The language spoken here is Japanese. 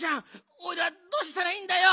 おいらどうしたらいいんだよ！？